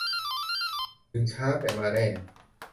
ถึงช้าแต่มาแน่